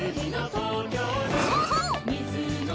そうそう！